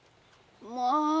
まあ。